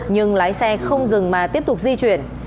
nhưng lái xe không dừng mà tiếp tục di chuyển